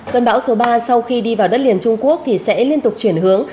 cơn bão số ba sau khi đi vào đất liền trung quốc thì sẽ liên tục chuyển hướng